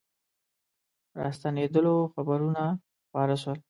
راستنېدلو خبرونه خپاره سول.